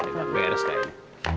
nggak beres kayaknya